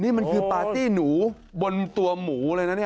นี่มันคือปาร์ตี้หนูบนตัวหมูเลยนะเนี่ย